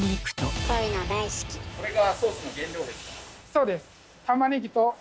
そうです。